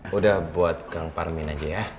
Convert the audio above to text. kita buat gang parmin aja ya